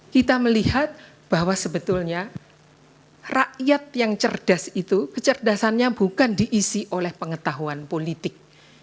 kita melihat bahwa sebetulnya rakyat yang cerdas itu kecerdasannya bukan diisi oleh pengetahuan politik